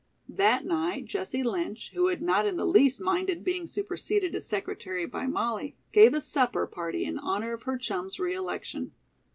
That night Jessie Lynch, who had not in the least minded being superseded as secretary by Molly, gave a supper party in honor of her chum's re election.